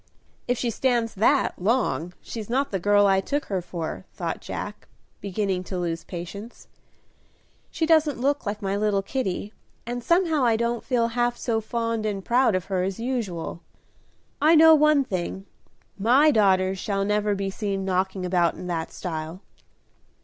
"If she stands that long she's not the girl I took her for," thought Jack, beginning to lose patience. "She doesn't look like my little Kitty, and somehow I don't feel half so fond and proud of her as usual. I know one thing, my daughters shall never be seen knocking about in that style."